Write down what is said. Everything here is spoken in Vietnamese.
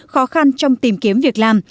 khó khăn trong tìm kiếm việc làm